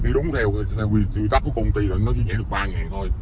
đi đúng theo quy tắc của công ty là nó chỉ nhảy được ba ngàn thôi